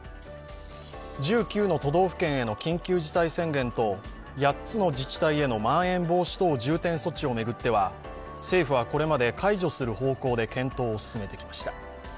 １９の都道府県への緊急事態宣言と８つの自治体へのまん延防止等重点措置を巡っては政府はこれまで解除する方向で検討を進めてきました。